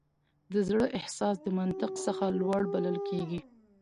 د زړه احساس د منطق څخه لوړ بلل کېږي.